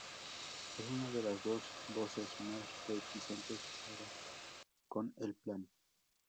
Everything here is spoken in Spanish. Es una de las dos voces más reticentes para con el plan.